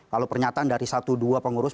kalau pernyataan dari satu dua pengurus